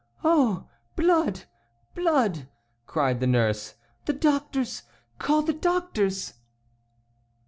"Oh! Blood! Blood!" cried the nurse. "The doctors! call the doctors!"